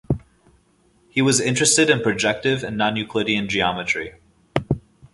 He was interested in projective and non-Euclidean geometry.